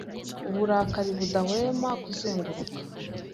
uburakari budahwema kuzenguruka